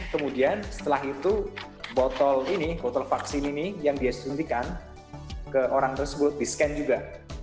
kemudian setelah itu botol ini botol vaksin ini yang disuntikan ke orang tersebut discan juga